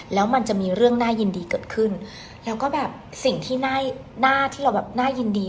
แล้วมันจะมีเรื่องน่ายินดีเกิดขึ้นแล้วก็แบบสิ่งที่น่าที่เราแบบน่ายินดี